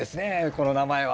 この名前は。